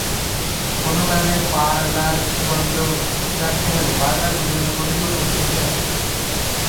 কোনো কারণে পারলার বন্ধ রাখতে হলে পারলার পরিচালনা কমিটির অনুমতি নিতে হবে।